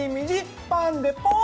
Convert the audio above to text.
パンでポン！